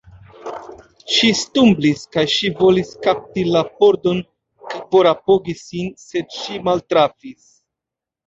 Ŝi stumblis, kaj ŝi volis kapti la pordon por apogi sin, sed ŝi maltrafis.